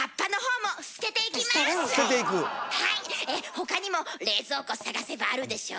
他にも冷蔵庫探せばあるでしょ？